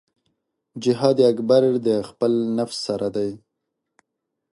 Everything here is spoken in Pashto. جهاد اکبر د خپل نفس سره دی .